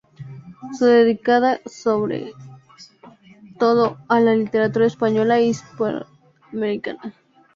Se dedicaba sobre todo a la literatura española e hispanoamericana.